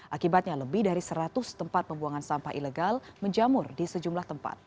akibatnya lebih dari seratus tempat pembuangan sampah ilegal menjamur di sejumlah tempat